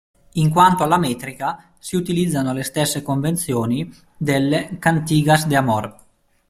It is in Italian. In quanto alla metrica, si utilizzano le stesse convenzioni delle "cantigas de amor".